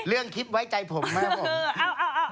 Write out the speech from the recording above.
เรื่องคลิปไว้ใจผมมาก